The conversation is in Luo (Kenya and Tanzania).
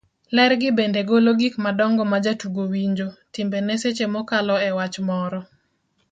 ler gi bende golo gik madongo majatugo winjo, timbene seche mokalo e wach moro